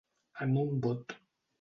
En un bot.